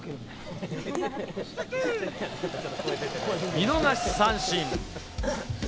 見逃し三振。